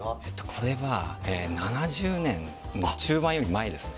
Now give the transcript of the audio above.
これは７０年の中盤より前ですね。